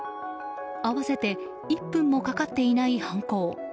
合わせて１分もかかっていない犯行。